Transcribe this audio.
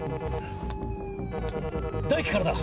大樹からだ！